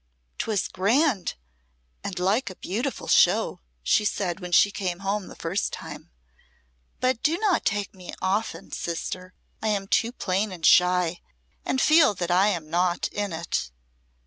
"'Twas grand and like a beautiful show!" she said, when she came home the first time. "But do not take me often, sister; I am too plain and shy, and feel that I am naught in it."